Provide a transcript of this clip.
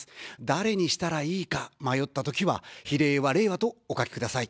誰にしたらいいか迷ったときは、比例は、れいわとお書きください。